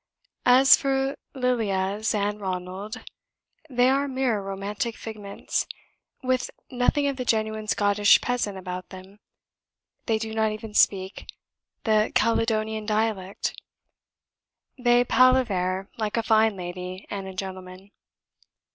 As for Lilias and Ronald, they are mere romantic figments, with nothing of the genuine Scottish peasant about them; they do not even speak the Caledonian dialect; they palaver like a fine lady and gentleman.